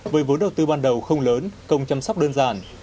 với vốn đầu tư ban đầu không lớn công chăm sóc đơn giản